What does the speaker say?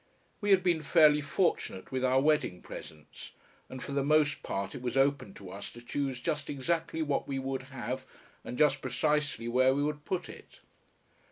We had been fairly fortunate with our wedding presents, and for the most part it was open to us to choose just exactly what we would have and just precisely where we would put it.